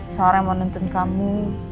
seseorang yang mau nonton kamu